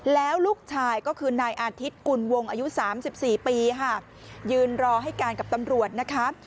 แล้วลูกชายก็คือนายอาทิตย์กุลวงอายุ๓๔ปีค่ะยืนรอให้การกับตำรวจนะคะ